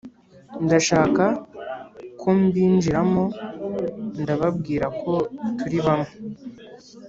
ndashaka kombinjiramo ndababwirako turibamwe